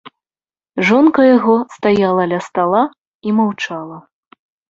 Жонка яго стаяла ля стала і маўчала.